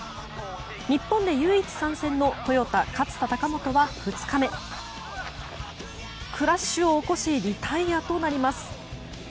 日本で唯一参戦の、トヨタ勝田貴元は、２日目クラッシュを起こしリタイアとなります。